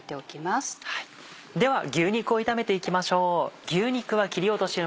では牛肉を炒めていきましょう。